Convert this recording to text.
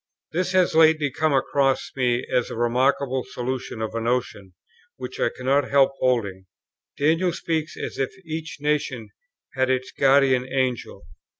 This has lately come across me as a remarkable solution of a notion which I cannot help holding. Daniel speaks as if each nation had its guardian Angel.